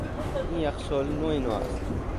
این یخچال نو نو است.